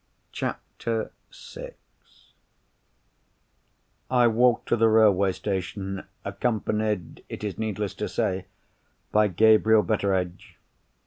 CHAPTER VI I walked to the railway station accompanied, it is needless to say, by Gabriel Betteredge.